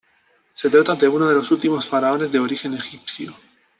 Se trata de uno de los últimos faraones de origen egipcio.